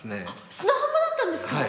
砂浜だったんですか。